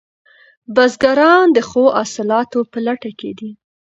بزګران د ښو حاصلاتو په لټه کې دي.